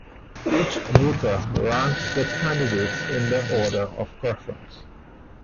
Each voter ranks the candidates in order of preference.